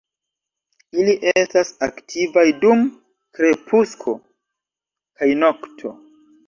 Ili estas aktivaj dum krepusko kaj nokto.